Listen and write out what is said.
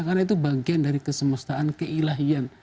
karena itu bagian dari kesemestaan keilahian